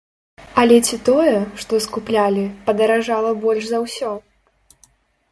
Але ці тое, што скуплялі, падаражала больш за ўсё?